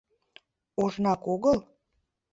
— Ожнак огыл?